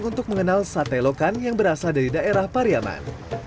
untuk mengenal sate lokan yang berasal dari daerah pariaman